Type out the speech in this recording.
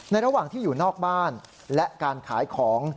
ระหว่างที่อยู่นอกบ้านและการขายของ